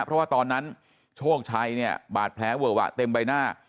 เพราะว่าตอนนั้นโชคชัยเนี่ยบาดแผลเวอะวะเต็มใบหน้า